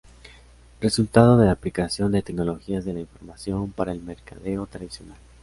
Resultado de la aplicación de tecnologías de la información para el mercadeo tradicional.